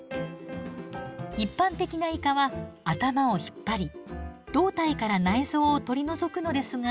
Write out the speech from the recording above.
一般的なイカは頭を引っ張り胴体から内臓を取り除くのですが。